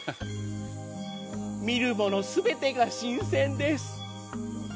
見るもの全てが新鮮です。